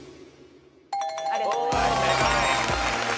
ありがとうございます。